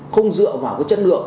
không dựa vào chất lượng